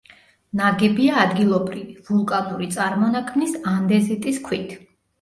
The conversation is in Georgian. ნაგებია ადგილობრივი, ვულკანური წარმონაქმნის, ანდეზიტის ქვით.